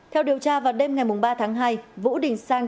theo điều tra vào đêm ngày ba tháng hai vũ đình sang